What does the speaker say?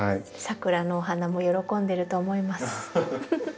サクラのお花も喜んでると思います。